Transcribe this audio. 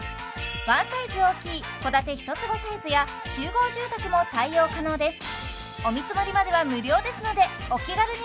ワンサイズ大きい戸建て一坪サイズや集合住宅も対応可能です